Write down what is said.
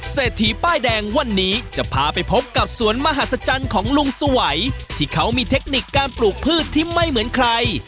เศรษฐีป้ายแดงวันนี้จะพาไปพบกับสวนมหัศจรรย์ของลุงสวัยที่เขามีเทคนิคการปลูกพืชที่ไม่เหมือนใคร